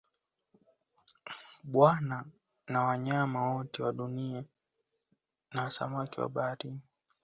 Bwana wa Wanyama wote wa Dunia na samaki wa Bahari